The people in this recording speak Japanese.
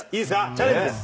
チャレンジです。